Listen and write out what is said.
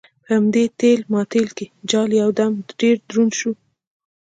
په همدې ټېل ماټېل کې جال یو دم ډېر دروند شو.